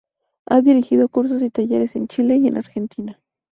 Ha dirigido cursos y talleres en Chile y en Argentina.